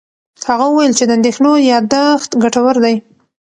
هغه وویل چې د اندېښنو یاداښت ګټور دی.